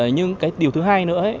nhưng cái điều thứ hai nữa